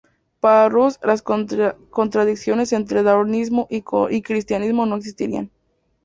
Para Ruse las contradicciones entre darwinismo y cristianismo no existirían.